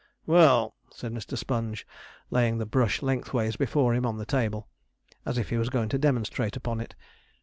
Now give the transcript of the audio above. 'Well,' said Mr. Sponge, laying the brush lengthways before him on the table, as if he was going to demonstrate upon it.